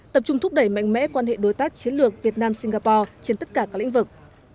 tập trung thúc đẩy mạnh mẽ quan hệ đối tác chiến lược việt nam singapore trên tất cả các lĩnh vực